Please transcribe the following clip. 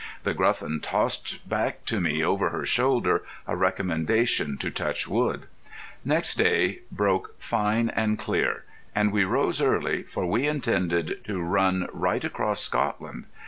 The Gruffin tossed back to me over her shoulder a recommendation to touch wood. Next day broke fine and clear, and we rose early, for we intended to run right across Scotland.